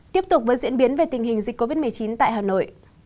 tiếp tục với diễn biến về tình hình dịch covid một mươi chín tại hà nội